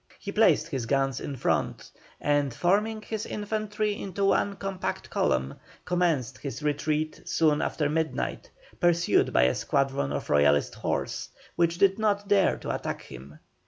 He placed his guns in front, and, forming his infantry into one compact column, commenced his retreat soon after midnight, pursued by a squadron of Royalist horse, which did not dare to attack him.